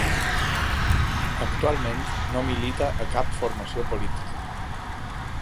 Actualment no milita a cap formació política.